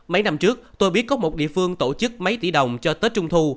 mấy năm trước tôi biết có một địa phương tổ chức mấy tỷ đồng cho tết trung thu